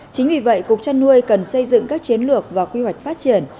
chính vì vậy cục chăn nuôi cần xây dựng các chiến lược và quy hoạch phát triển